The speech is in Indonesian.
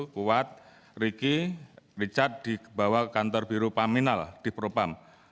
kuat riki richard dibawa ke kantor biro paminal di propam